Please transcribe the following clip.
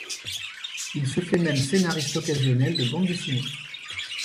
Il se fait même scénariste occasionnel de bande dessinée.